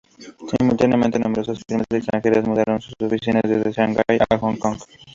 Simultáneamente, numerosas firmas extranjeras mudaron sus oficinas desde Shanghai a Hong Kong.